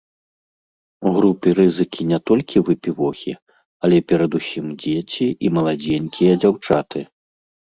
У групе рызыкі не толькі выпівохі, але перадусім дзеці і маладзенькія дзяўчаты.